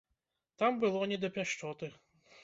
Там было не да пяшчоты.